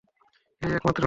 এই একমাত্র লোক।